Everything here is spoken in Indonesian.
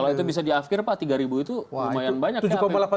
kalau itu bisa diakkir pak tiga ribu itu lumayan banyak ya